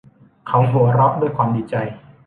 เขาหัวเราะด้วยความดีใจ